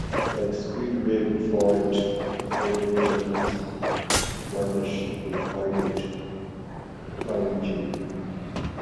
Like Speedway before it, Road Ranger has a partnership with Pilot Flying J.